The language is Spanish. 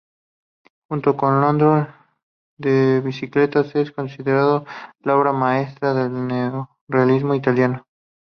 Junto con "Ladrón de bicicletas", es considerada la obra maestra del neorrealismo italiano.